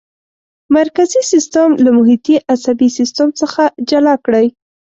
مرکزي سیستم له محیطي عصبي سیستم څخه جلا کړئ.